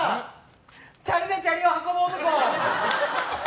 チャリでチャリを運ぶ男。